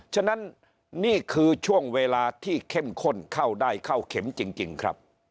ฉะนั้นนี่คือช่วงเวลาที่เข้มข้นเข้าได้เข้าเข็มจริงครับ